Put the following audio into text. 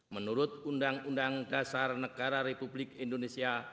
menurut undang undang dasar negara republik indonesia